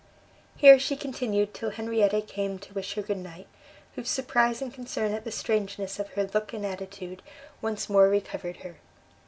Here she continued till Henrietta came to wish her good night; whose surprise and concern at the strangeness of her look and attitude, once more recovered her.